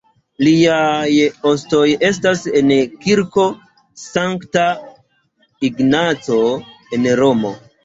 Liaj ostoj estas en la Kirko Sankta Ignaco en Romo.